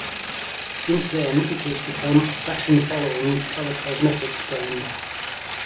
Since then it has become a fashion-following colour cosmetics brand.